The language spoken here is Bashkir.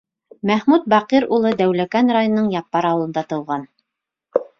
Мәхмүт Бакир улы Дәүләкән районының Яппар ауылында тыуған.